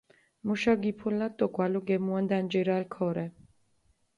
მუშა გიფულათ დო გვალო გემუან დანჯირალ ქორე.